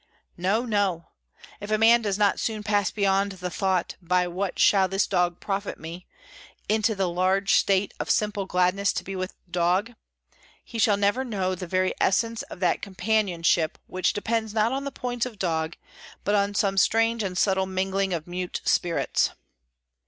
No, no! If a man does not soon pass beyond the thought "By what shall this dog profit me?" into the large state of simple gladness to be with dog, he shall never know the very essence of that companion ship which depends not on the points of dog, but on some strange and subtle mingling of mute spirits.